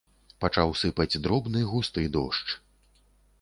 Пачаў сыпаць дробны густы дождж.